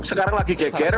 sekarang lagi geger